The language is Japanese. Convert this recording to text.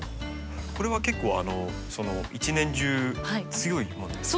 これは結構一年中強いものですか？